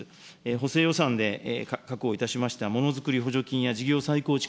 補正予算で確保いたしましたものづくり補助金や事業再構築